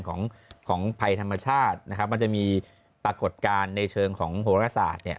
ของของภัยธรรมชาตินะครับมันจะมีปรากฏการณ์ในเชิงของโหรศาสตร์เนี่ย